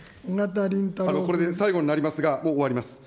これで最後になりますが、もう終わります。